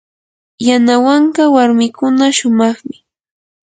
yanawanka warmikuna shumaqmi.